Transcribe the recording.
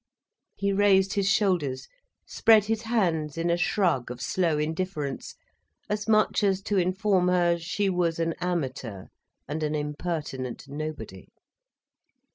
He raised his shoulders, spread his hands in a shrug of slow indifference, as much as to inform her she was an amateur and an impertinent nobody.